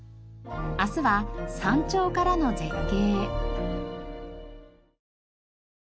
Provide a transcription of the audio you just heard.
明日は山頂からの絶景。